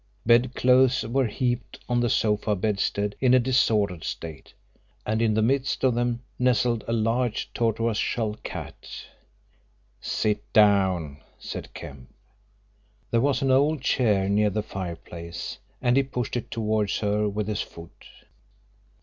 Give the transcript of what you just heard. Bedclothes were heaped on the sofa bedstead in a disordered state, and in the midst of them nestled a large tortoise shell cat. "Sit down," said Kemp. There was an old chair near the fireplace and he pushed it towards her with his foot.